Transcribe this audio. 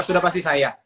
sudah pasti saya